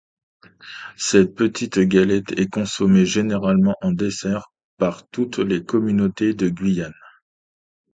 Cette petite galette est consommé généralement en dessert, par toutes les communautés de Guyane.